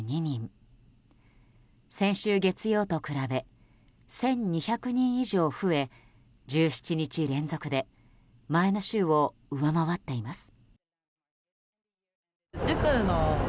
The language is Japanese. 先週月曜と比べ１２００人以上増え１７日連続で前の週を上回っています。